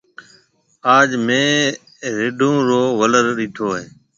آج ميه رڍون رو ولر ڏيٺو هيَ۔